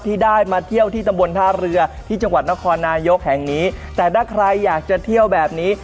ที่ได้มาเที่ยวที่ตำบลท่าเรือที่จังหวัดนครนายกแห่งนี้แต่ถ้าใครอยากจะเที่ยวแบบนี้